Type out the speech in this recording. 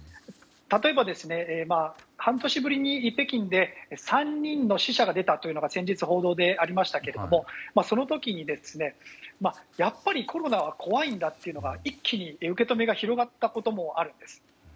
例えば、半年ぶりに北京で３人の死者が出たと先日報道でありましたがその時に、やっぱりコロナは怖いんだというのが一気に受け止めが広がったこともあるんです。